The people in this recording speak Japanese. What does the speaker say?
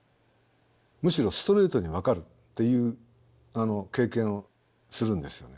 むしろストレートに分かるっていう経験をするんですよね。